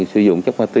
sử dụng chất ma tí